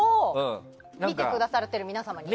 見てくださってる皆様にね。